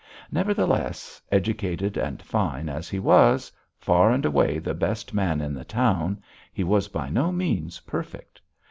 Nevertheless, educated and fine as he was, far and away the best man in the town, he was by no means perfect.